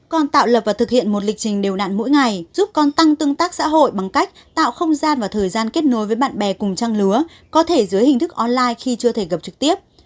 còn tạo lập và thực hiện một lịch trình đều đạn mỗi ngày giúp con tăng tương tác xã hội bằng cách tạo không gian và thời gian kết nối với bạn bè cùng trang lứa có thể dưới hình thức online khi chưa thể gặp trực tiếp